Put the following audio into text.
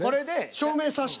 証明させて。